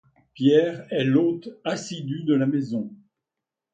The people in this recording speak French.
Pierre est l'hôte assidu de la maison.